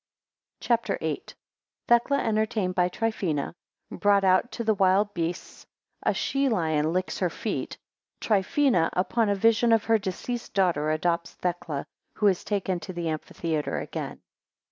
CHAPTER VIII. 2 Thecla entertained by Trifina; 3 brought out to the wild beasts; a she lion licks her feet. 5 Trifina upon a vision of her deceased daughter, adopts Thecla, 11 who is taken to the amphitheatre again.